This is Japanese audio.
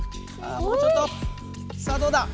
さあどうだ！